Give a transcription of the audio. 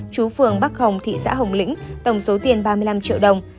chú phường bắc hồng thị xã hồng lĩnh tổng số tiền ba mươi năm triệu đồng